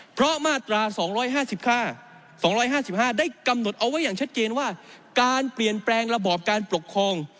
เพราะมาตรา๒๕๕๒๕๕ได้กำหนดเอาไว้อย่างชัดเจนว่าการเปลี่ยนแปลงระบอบการปกครอง